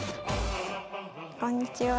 こんにちは。